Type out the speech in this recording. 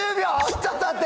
ちょっと待って。